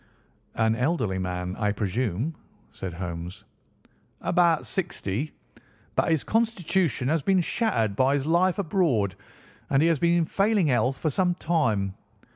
"An elderly man, I presume?" said Holmes. "About sixty; but his constitution has been shattered by his life abroad, and he has been in failing health for some time.